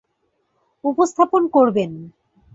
উপস্থাপন করবেন।